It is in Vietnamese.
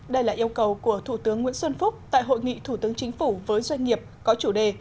đây là yêu cầu của thủ tướng nguyễn xuân phúc tại hội nghị thủ tướng chính phủ với doanh nghiệp có chủ đề